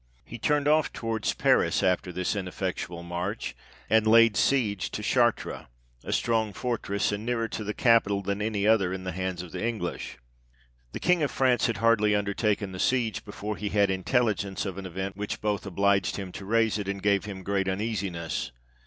He turned off towards Paris, after this ineffectual march, and laid siege to Chartres, a strong fortress, and nearer to the capital than any other in the hands of the English. The King of France had hardly undertaken the siege, before he had intelligence of an event, which both obliged him to raise it, and gave him great uneasiness.